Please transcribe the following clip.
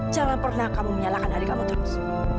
jangan pernah kamu menyalahkan adik kamu terus